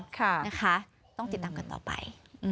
ค่ะนะคะต้องติดตามกันต่อไป